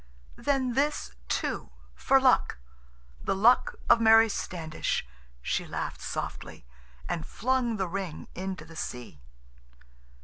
"Then this, too, for luck—the luck of Mary Standish," she laughed softly, and flung the ring into the sea.